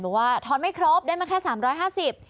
บอกว่าทอนไม่ครบได้มาแค่๓๕๐บาท